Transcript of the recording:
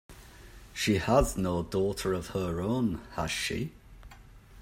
She has no daughter of her own, has she?